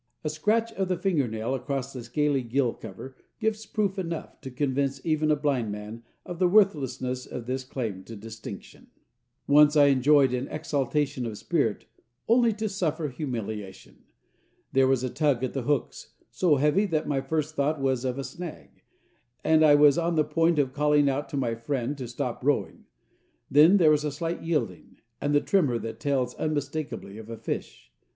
A scratch of the finger nail across the scaly gill cover gives proof enough to convince even a blind man of the worthlessness of this claim to distinction. Once I enjoyed an exaltation of spirit only to suffer humiliation. There was a tug at the hooks, so heavy that my first thought was of a snag, and I was on the point of calling out to my friend to stop rowing. Then there was a slight yielding, and the tremor that tells unmistakably of a fish.